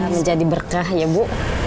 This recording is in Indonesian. menjadi berkah ya bu